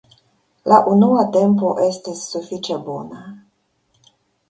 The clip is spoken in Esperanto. La unua tempo estis sufiĉe bona.